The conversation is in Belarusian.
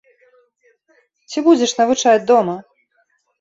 Ці будзеш навучаць дома?